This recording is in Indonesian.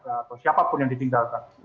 atau siapapun yang ditinggalkan